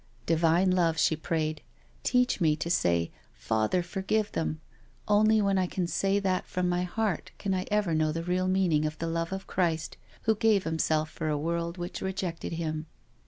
* Divine love/' she prayed, ^ teach me to say * Father, forgive them.' Only when I can say that from my heart can I ever know the real meaning of the love of Christ Who gave Himself for a world which rejected Him.